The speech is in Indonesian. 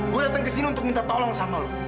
gue datang kesini untuk minta tolong sama lo